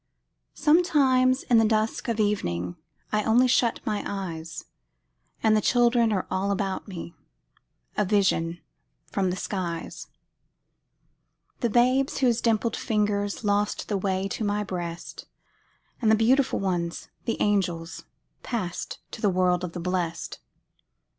Sometimes, in the dusk of evening, I only shut my eyes, And the children are all about me, A vision from the skies: The babes whose dimpled fingers Lost the way to my breast, And the beautiful ones, the angels, Passed to the world of the blest.